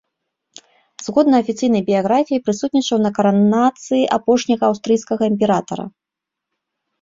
Згодна афіцыйнай біяграфіі прысутнічаў на каранацыі апошняга аўстрыйскага імператара.